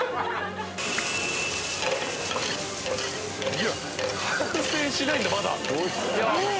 いや完成しないんだまだ。